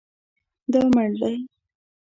دا مړ دی